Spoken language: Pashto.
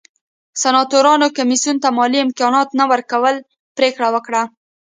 سناتورانو کمېسیون ته مالي امکاناتو نه ورکولو پرېکړه وکړه